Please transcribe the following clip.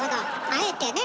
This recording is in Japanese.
あえてね！